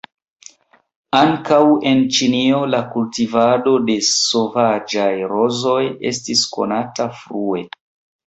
Ankaŭ en Ĉinio la kultivado de sovaĝaj rozoj estis konata frue.